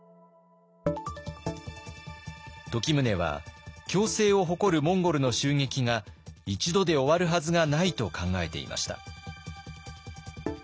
時宗は強勢を誇るモンゴルの襲撃が１度で終わるはずがないと考えていました。